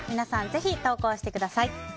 ぜひ投稿してください。